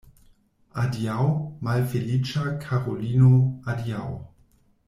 Adiaŭ, malfeliĉa Karolino, adiaŭ!